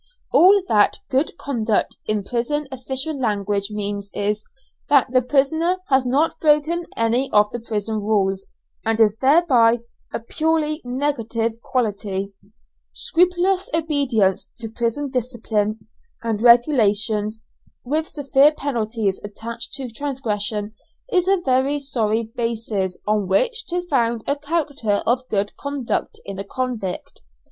All that "good conduct," in prison official language means is, that the prisoner has not broken any of the prison rules, and is therefore a purely negative quality; scrupulous obedience to prison discipline and regulations, with severe penalties attached to transgression, is a very sorry basis on which to found a character of good conduct in a convict.